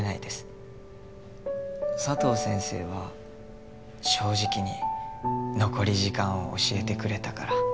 佐藤先生は正直に残り時間を教えてくれたから。